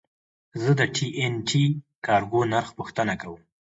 زه د ټي این ټي کارګو نرخ پوښتنه کوم.